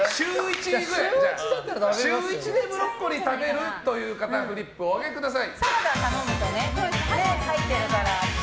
週１でブロッコリーを食べるという方、お上げください。